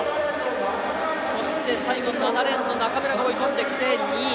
そして最後７レーンの中村が追い込み２位。